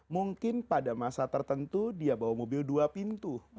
mungkin pada masa tertentu dia bawa mobil dua pintu